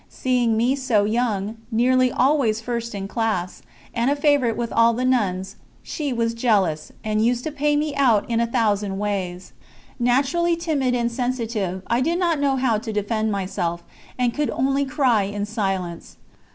Seeing me so young, nearly always first in class, and a favourite with all the nuns, she was jealous, and used to pay me out in a thousand ways. Naturally timid and sensitive, I did not know how to defend myself, and could only cry in silence.